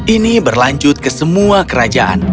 ini berlanjut ke semua kerajaan